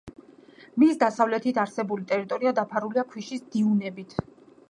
მის დასავლეთით არსებული ტერიტორია დაფარულია ქვიშის დიუნებით.